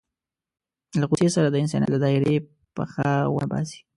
له غوسې سره د انسانيت له دایرې پښه ونه باسي.